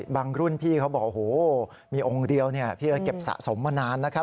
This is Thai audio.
รุ่นพี่เขาบอกโอ้โหมีองค์เดียวพี่ก็เก็บสะสมมานานนะครับ